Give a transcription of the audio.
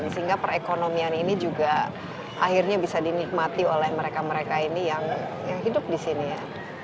sehingga perekonomian ini juga akhirnya bisa dinikmati oleh mereka mereka ini yang hidup di sini ya